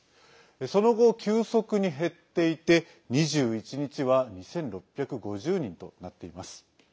その後、急速に減っていて２１日は２６５０人となっています。